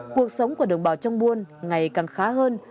cuộc sống của đồng bào trong buôn ngày càng khá hơn